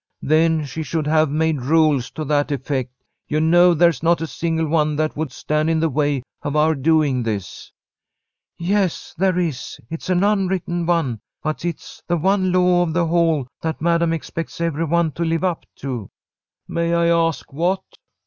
"Then she should have made rules to that effect. You know there's not a single one that would stand in the way of our doing this." "Yes, there is. It's an unwritten one, but it's the one law of the Hall that Madam expects every one to live up to." "May I ask what?"